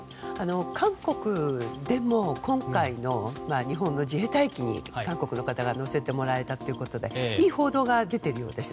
韓国でも今回の日本の自衛隊機に韓国の方が乗せてもらえたということでいい報道が出ているようです。